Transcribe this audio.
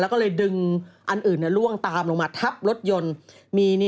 แล้วก็เลยดึงอันอื่นล่วงตามลงมาทับรถยนต์